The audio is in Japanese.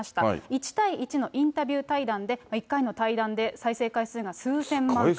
１対１のインタビュー対談で、１回の対談で再生回数が数千万回。